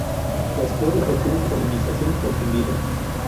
Las flores requieren polinización por zumbido.